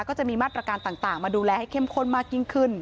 ก็จะมีมาตรการต่างมาดูแลให้เข้มข้นมากยิ่งขึ้น